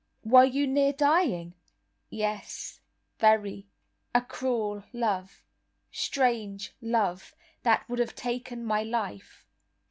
"Were you near dying?" "Yes, very—a cruel love—strange love, that would have taken my life.